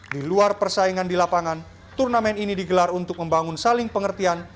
di luar persaingan di lapangan turnamen ini digelar untuk membangun saling pengertian